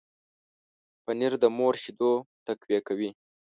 پنېر د مور شیدو تقویه کوي.